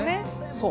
そう。